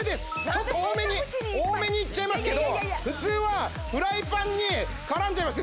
ちょっと多めにいっちゃいますけど普通はフライパンに絡んじゃいます